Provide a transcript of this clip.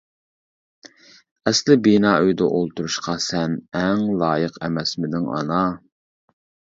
ئەسلى بىنا ئۆيدە ئولتۇرۇشقا سەن ئەڭ لايىق ئەمەسمىدىڭ ئانا.